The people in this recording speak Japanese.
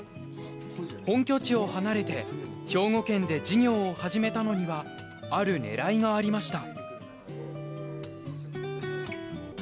本拠地を離れて兵庫県で事業を始めたのにはある狙いがありました。